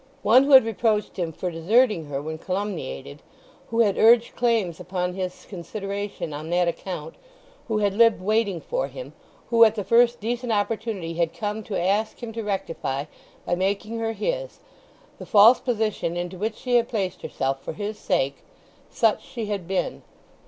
One who had reproached him for deserting her when calumniated, who had urged claims upon his consideration on that account, who had lived waiting for him, who at the first decent opportunity had come to ask him to rectify, by making her his, the false position into which she had placed herself for his sake; such she had been.